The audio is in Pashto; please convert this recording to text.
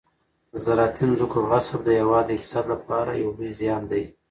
د زراعتي ځمکو غصب د هېواد د اقتصاد لپاره یو لوی زیان دی.